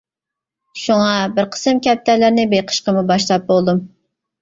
شۇڭا، بىر قىسىم كەپتەرلەرنى بېقىشقىمۇ باشلاپ بولدۇم.